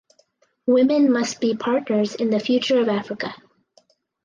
Women must be partners in the future of Africa.